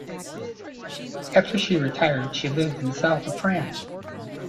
After she retired she lived in the south of France.